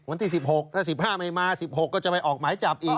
วันที่๑๖ถ้า๑๕ไม่มา๑๖ก็จะไปออกหมายจับอีก